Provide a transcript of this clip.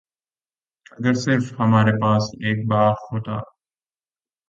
اگر صرف ہمارے پاس ایک باغ ہوتا